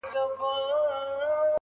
بیګا خوب وینم پاچا یمه سلطان یم,